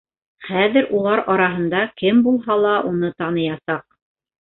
Хәҙер улар араһында кем булһа ла уны таныясаҡ.